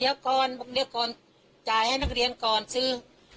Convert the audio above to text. เดี๋ยวก่อนบอกเดี๋ยวก่อนจ่ายให้นักเรียนก่อนซื้อ